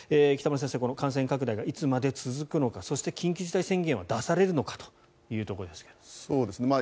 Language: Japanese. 北村先生、この感染拡大がいつまで続くのかそして緊急事態宣言は出されるのかというところです。